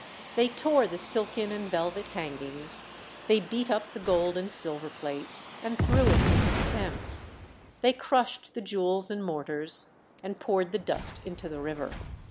They tore the silken and velvet hangings; they beat up the gold and silver plate, and threw it into the Thames; they crushed the jewels and mortars, and poured the dust into the river.